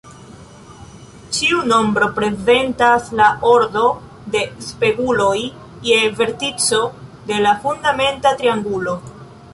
Ĉiu nombro prezentas la ordo de speguloj je vertico de la fundamenta triangulo.